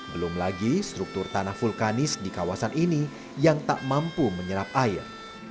belum lagi struktur tanah vulkanis di kawasan ini yang tak mampu menyerap air